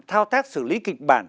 thao tác xử lý kịch bản